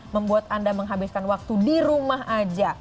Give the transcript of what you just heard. membuat anda menghabiskan waktu di rumah aja